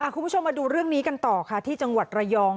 คุณผู้ชมมาดูเรื่องนี้กันต่อค่ะที่จังหวัดระยอง